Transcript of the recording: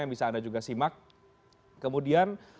yang bisa anda juga simak kemudian